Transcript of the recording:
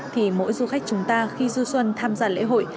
thì mỗi du khách chúng ta khi du xuân tham gia lễ hội